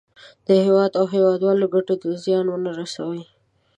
د هېواد او هېوادوالو ګټو ته زیان ونه رسوي.